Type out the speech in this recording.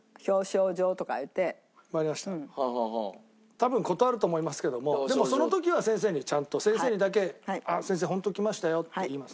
多分断ると思いますけどもでもその時は先生にちゃんと先生にだけ「先生ホントにきましたよ」って言います。